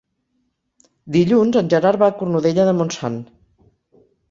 Dilluns en Gerard va a Cornudella de Montsant.